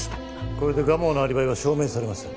これで蒲生のアリバイは証明されましたね。